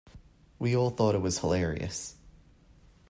We all thought it was hilarious.